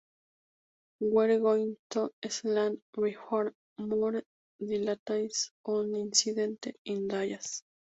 We're going to stand by for more details on the incident in Dallas.